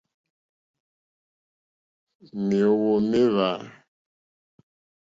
Mèóhwò méhwǎ.